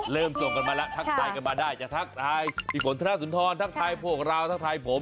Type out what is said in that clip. ส่งกันมาแล้วทักทายกันมาได้จะทักทายพี่ฝนธนสุนทรทักทายพวกเราทักทายผม